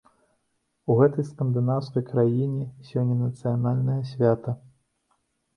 У гэтай скандынаўскай краіне сёння нацыянальнае свята.